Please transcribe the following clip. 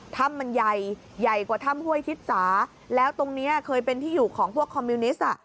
ถ้ำมันใหญ่ใหญ่กว่าถ้ำห้วยทิศสาแล้วตรงนี้เคยเป็นที่อยู่ของพวกคอมมิวนิสต์